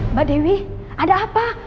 mbak dewi ada apa